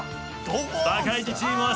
バカイジチームは。